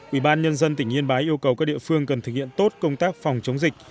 ủy ban nhân dân tỉnh yên bái yêu cầu các địa phương cần thực hiện tốt công tác phòng chống dịch